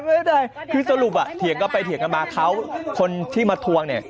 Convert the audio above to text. ไม่ได้คือสรุปอ่ะเถียงกันไปเถียงกันมาเขาคนที่มาทวงเนี่ย